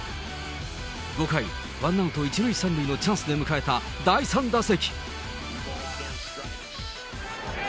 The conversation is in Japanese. ５回１アウト１塁３塁のチャンスで迎えた第３打席。